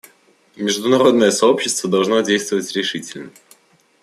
Международное сообщество должно действовать решительно.